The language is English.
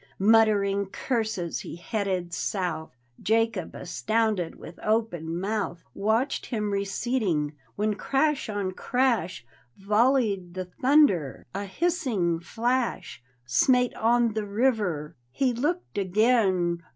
" Muttering curses, he headed south. Jacob, astounded, with open mouth Watched him receding, when — crash on crash Volleyed the iJiunderl A hissing flash D,gt,, erihyGOOgle The Haunted Hour Smate on the river 1 He looked again.